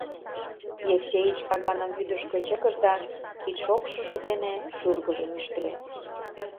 — Евсеич таганым вӱдышкӧ чыкыш да кидшокшыжо дене шӱргыжым ӱштыльӧ.